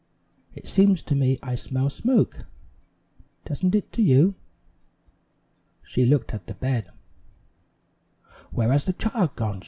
It seems to me I smell smoke. Doesn't it to you?" She looked at the bed. "Where has the child gone?"